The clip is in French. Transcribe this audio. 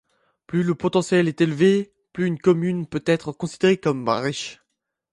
Plus le potentiel est élevé, plus une commune peut être considérée comme riche.